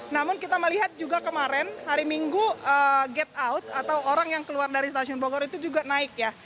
namun kita melihat juga kemarin hari minggu get out atau orang yang keluar dari stasiun bogor itu juga naik ya